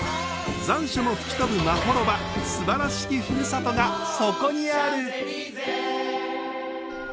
残暑も吹き飛ぶまほろばすばらしき故郷がそこにある！